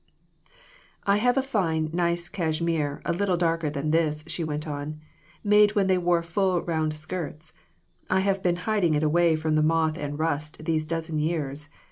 "I have a fine, nice cashmere, a little darker than this," she went on, "made when they wore full, round skirts. I have been hiding it away from moth and rust these dozen years.